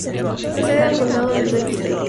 La sede del condado es Devils Lake.